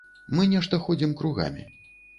Мы нешта ходзім кругамі.